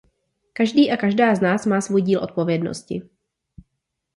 Každý a každá z nás má svůj díl odpovědnosti.